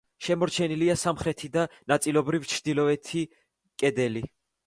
შემორჩენილია სამხრეთი და ნაწილობრივ ჩრდილოეთი კედელი.